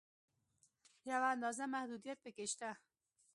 یوه اندازه محدودیت په کې شته.